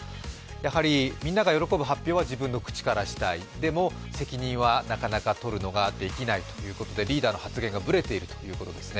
やはり、みんなが喜ぶ発表は自分の口からしたい、でも、責任はなかなか取るのができないということで、リーダーの発言がぶれているということですね。